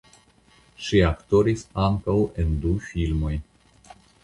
Ŝi aktoris ankaŭ en du filmoj.